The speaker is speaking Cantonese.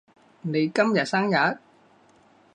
你今日生日？